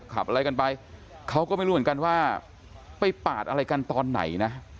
อะไรกันไปเขาก็ไม่รู้เหมือนกันว่าไปปาดอะไรกันตอนไหนนะ